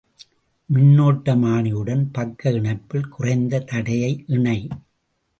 மின்னோட்டமானியுடன் பக்க இணைப்பில் குறைந்த தடையை இணை.